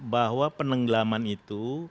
bahwa penenggelaman itu